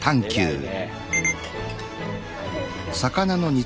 へえ。